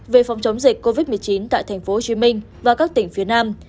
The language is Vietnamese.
về phòng chống dịch covid một mươi chín tại tp hcm và các tỉnh phía nam